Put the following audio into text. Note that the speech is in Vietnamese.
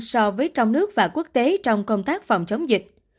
so với trong nước và quốc tế trong công tác phòng chống dịch